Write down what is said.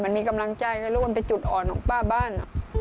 มันมีกำลังใจแล้วลูกจะเป็นจุดอ่อนของป้าบ้าน